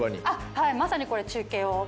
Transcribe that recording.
はいまさにこれ中継を。